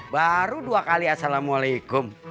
baru dua kali assalamualaikum